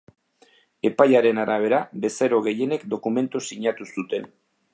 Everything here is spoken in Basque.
Epaiaren arabera, bezero gehienek dokumentua sinatu zuten.